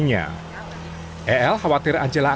dan stabil selesai nyemain layanan w